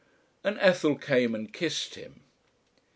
and Ethel came and kissed him.